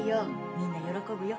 みんな喜ぶよ。